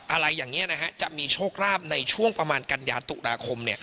อะไรอย่างนี้จะมีโชคราบในช่วงประมาณกัญญาตุลาคม